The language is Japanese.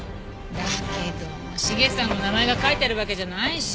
だけど茂さんの名前が書いてあるわけじゃないし。